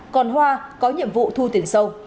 còn hoa có nhiệm vụ thu tiền sâu